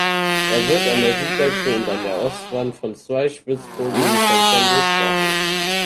Er wird an der Südseite und an der Ostwand von zwei spitzbogigen Fenstern durchbrochen.